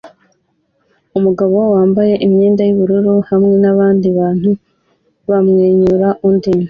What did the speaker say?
Umugabo wambaye imyenda yubururu hamwe nabandi bantu bamwenyura undi